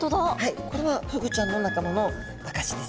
これはフグちゃんの仲間の証しですね。